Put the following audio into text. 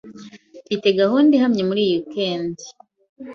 Mfite gahunda ihamye muri iyi weekend.